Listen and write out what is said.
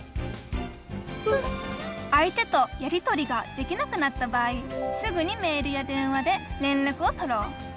相手とやりとりができなくなった場合すぐにメールや電話で連絡をとろう。